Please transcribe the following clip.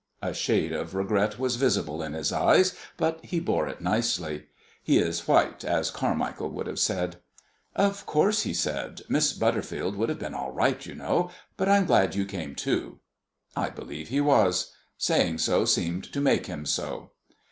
A shade of regret was visible in his eyes, but he bore it nicely. He is "white," as Carmichael would have said. "Of course," he said, "Miss Butterfield would have been all right, you know, but I'm glad you came too." I believe he was. Saying so seemed to make him so.